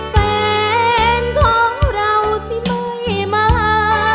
แฟนของเราสิไม่มา